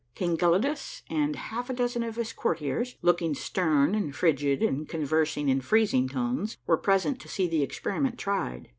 King Gelidus and half a dozen of his courtiers, looking stern and frigid and conversing in freezing tones, were present to see the experiment tried.